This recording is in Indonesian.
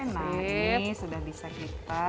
nah ini sudah bisa kita